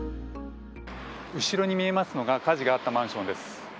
後ろに見えますのが火事があったマンションです。